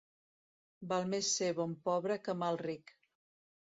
Val més ser bon pobre que mal ric.